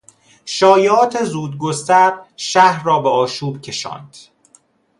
شایعات زودگستر شهر را به آشوب کشاند.